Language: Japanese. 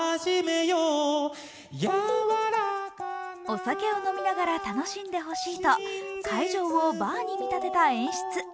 お酒を飲みながら楽しんでほしいと、会場をバーに見立てた演出。